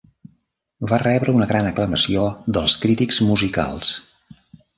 Va rebre una gran aclamació dels crítics musicals.